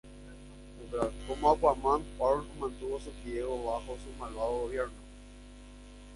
Como Aquaman, Orm mantuvo Sub Diego bajo su malvado gobierno.